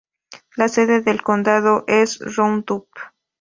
La sede del condado es Roundup.